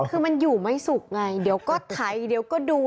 คือมันอยู่ไม่สุขไงเดี๋ยวก็ไถเดี๋ยวก็ดู